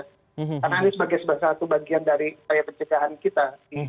karena ini sebagai salah satu bagian dari karya pencegahan kita